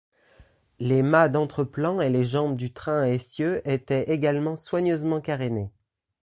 Les mâts d’entreplan et les jambes du train à essieu étaient également soigneusement carénés.